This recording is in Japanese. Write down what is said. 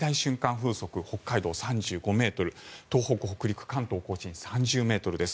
風速北海道、３５ｍ東北・北陸、関東・甲信３０ｍです。